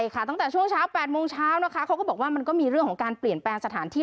เขาก็บอกว่ามันก็มีเรื่องของการเปลี่ยนแปลงสถานที่